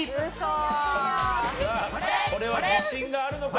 さあこれは自信があるのか？